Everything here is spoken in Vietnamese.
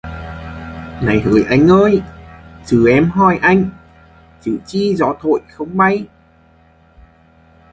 Này hỡi anh ơi, chừ em hỏi anh, chữ chi gió thổi không bay?